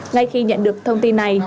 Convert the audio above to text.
ngay khi nhận được thông tin này